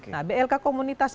nah blk komunitas